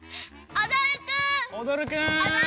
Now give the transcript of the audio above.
おどるくん！